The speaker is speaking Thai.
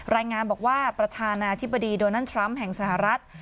รายงานบอกว่าประธานาธิบดีโดนัลดทรัมป์แห่งสหรัฐ